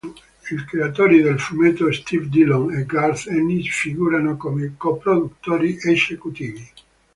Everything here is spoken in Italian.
I creatori del fumetto Steve Dillon e Garth Ennis figurano come co-produttori esecutivi.